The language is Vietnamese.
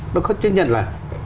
nó có chấp nhận là